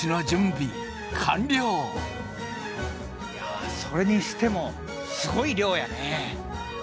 いやそれにしてもすごい量やねえ。